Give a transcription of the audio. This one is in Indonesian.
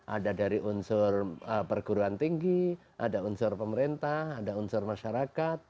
ada dari unsur perguruan tinggi ada unsur pemerintah ada unsur masyarakat